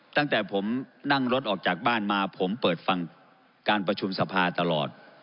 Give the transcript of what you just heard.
ตั้งแต่ผมนั่งรถออกจากบ้านมาผมเปิดฟังการประชุมสภาตลอด